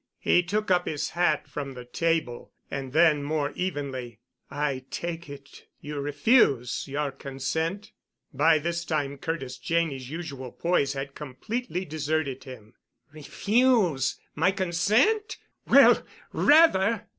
He took up his hat from the table, and then, more evenly, "I take it, you refuse your consent?" By this time Curtis Janney's usual poise had completely deserted him. "Refuse—my consent? Well, rather!"